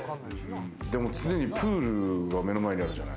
常にプールは目の前にあるじゃない？